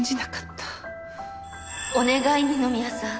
お願い二宮さん